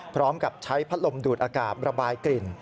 พร้อมกับใช้พัดลมดูดอากาศระบายกลิ่น